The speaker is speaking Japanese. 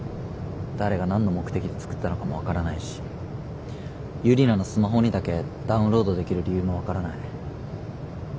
誰が何の目的で作ったのかも分からないしユリナのスマホにだけダウンロードできる理由も分からない。